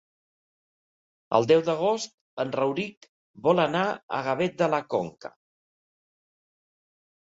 El deu d'agost en Rauric vol anar a Gavet de la Conca.